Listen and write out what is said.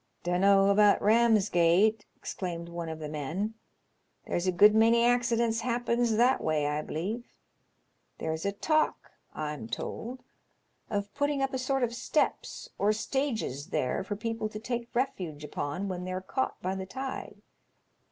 " "Dunno about Ramsgate," exclaimed one of the men ;there's a good many accidents happens that way, I believe. There's a talk, I'm told, of putting up 152 'LONGSEOBEMAtrS YABNS. a sort of steps or stages there for people to take refuge upon when they're caught by the tide.